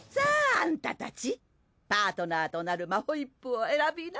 アンタたちパートナーとなるマホイップを選びな。